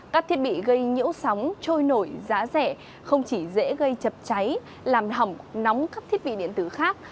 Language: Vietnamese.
các thiết bị gây nhiễu sóng trôi nổi giá rẻ không chỉ dễ gây chập cháy làm hỏng nóng các thiết bị điện tử khác